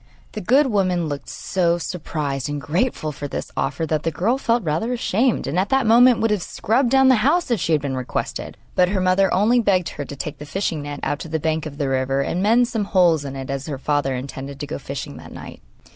The good woman looked so surprised and grateful for this offer that the girl felt rather ashamed, and at that moment would have scrubbed down the house if she had been requested; but her mother only begged her to take the fishing net out to the bank of the river and mend some holes in it, as her father intended to go fishing that night.